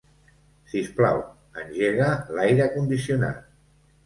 Sisplau, engega l'aire condicionat.